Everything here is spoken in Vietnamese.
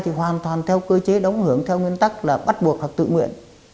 thì hoàn toàn theo cơ chế đóng hưởng theo nguyên tắc là bắt buộc hoặc tự nguyện